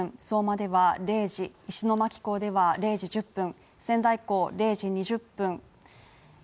相馬では０時、石巻港では０時１０分仙台港０時２０分